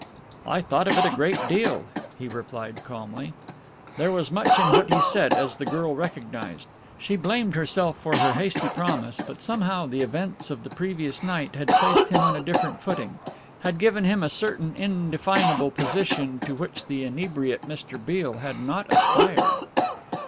"I thought of it a great deal," he replied calmly. There was much in what he said, as the girl recognized. She blamed herself for her hasty promise, but somehow the events of the previous night had placed him on a different footing, had given him a certain indefinable position to which the inebriate Mr. Beale had not aspired.